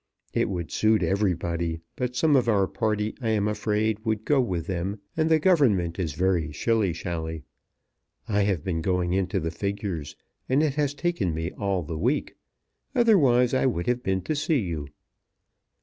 It would suit everybody; but some of our party, I am afraid, would go with them, and the Government is very shilly shally. I have been going into the figures, and it has taken me all the week. Otherwise I would have been to see you.